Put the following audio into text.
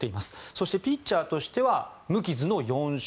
そして、ピッチャーとしては無傷の４勝。